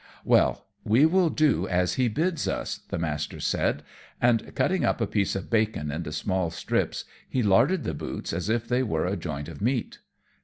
"Well, we will do as he bids us," the Master said; and cutting up a piece of bacon into small strips, he larded the boots as if they were a joint of meat.